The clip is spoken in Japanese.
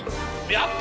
やった！